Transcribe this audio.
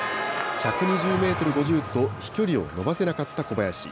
１２０メートル５０と、飛距離を伸ばせなかった小林。